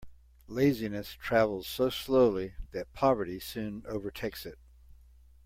Laziness travels so slowly that poverty soon overtakes it.